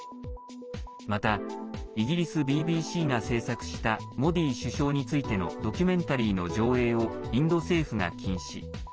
また、イギリスＢＢＣが製作したモディ首相についてのドキュメンタリーの上映をインド政府が禁止。